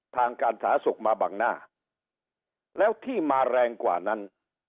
ทางการสาธารณสุขมาบังหน้าแล้วที่มาแรงกว่านั้น